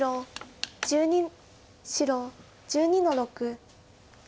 白１２の六。